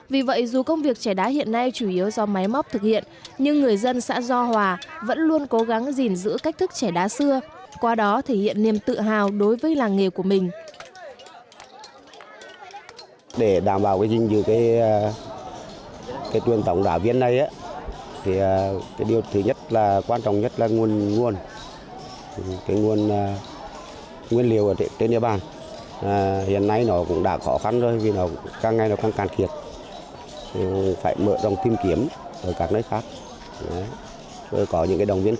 vì vậy dù công việc trẻ đá hiện nay chủ yếu do máy móc thực hiện nhưng người dân xã do hòa vẫn luôn cố gắng gìn giữ cách thức trẻ đá xưa qua đó thể hiện niềm tự hào đối với làng nghề của mình